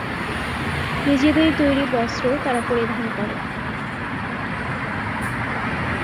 নিজেদের তৈরি বস্ত্র তারা পরিধান করে।